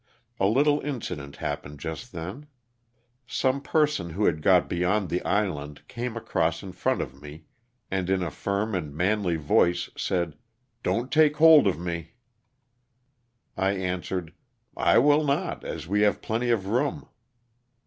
A little incident happened just then. Some person who had got be yond the island came across in front of me, and in a firm and manly voice said, "Don't take hold of me." LOSS OF THE SULTANA. 221 I answered, "I will not as we have plenty of room."